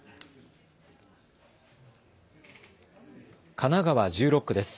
神奈川１４区です。